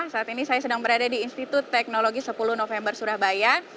saat ini saya sedang berada di institut teknologi sepuluh november surabaya